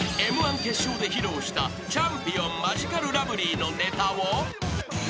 ［Ｍ−１決勝で披露したチャンピオンマヂカルラブリーのネタを］